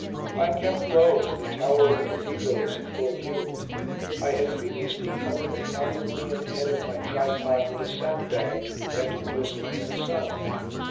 I kept low, as the tower of the Cathedral was in full view. I had previously covered the aluminium head of my tripod with a sandbag to prevent it glistening in the sun.